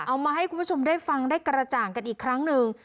เอามาให้คุณผู้ชมได้ฟังได้กระจ่างกันอีกครั้งหนึ่ง